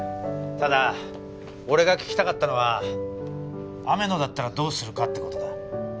ただ俺が聞きたかったのは雨野だったらどうするかって事だ。